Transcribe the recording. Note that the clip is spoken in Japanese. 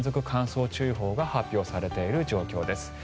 乾燥注意報が発表されている状況です。